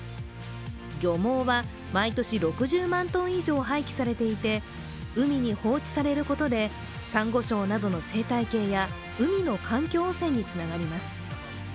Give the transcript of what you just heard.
漁網は毎年６０万トン以上、廃棄されていて、海に放置されることで、さんご礁などの生態系や海の環境汚染につながります。